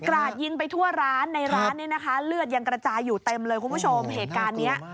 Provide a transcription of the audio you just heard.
ราดยิงไปทั่วร้านในร้านเนี่ยนะคะเลือดยังกระจายอยู่เต็มเลยคุณผู้ชมเหตุการณ์เนี้ย